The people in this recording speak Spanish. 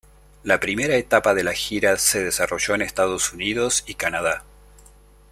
La primera etapa de la gira se desarrolló en Estados Unidos y Canadá.